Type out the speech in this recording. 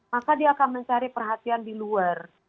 maka dia akan mencari perhatian di luar